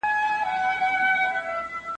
یوازې نښې د تشخیص معنا نه لري.